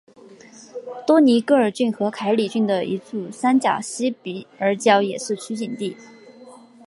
多尼戈尔郡和凯里郡的一处山岬西比尔角也是取景地。